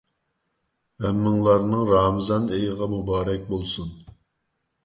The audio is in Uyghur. ھەممىڭلارنىڭ رامىزان ئېيىغا مۇبارەك بولسۇن.